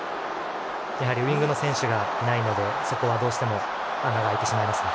ウイングの選手がいないのでそこは、どうしても穴が開いてしまいます。